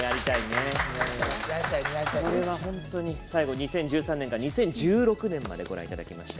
２０１３年から２０１６年までご覧いただきました。